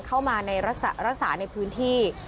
เข้ามาในรักษาในพื้นที่